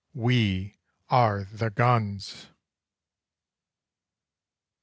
We are the guns!